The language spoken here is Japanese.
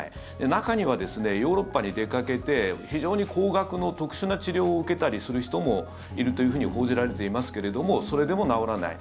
中にはヨーロッパに出かけて非常に高額の特殊な治療を受けたりする人もいると報じられていますけれどもそれでも治らない。